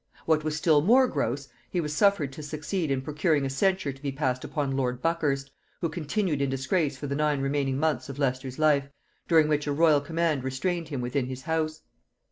What was still more gross, he was suffered to succeed in procuring a censure to be passed upon lord Buckhurst, who continued in disgrace for the nine remaining months of Leicester's life, during which a royal command restrained him within his house.